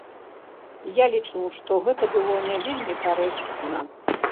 Я лічу, што гэта было не вельмі карэктна.